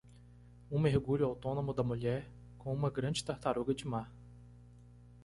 Um mergulho autônomo da mulher com uma grande tartaruga de mar.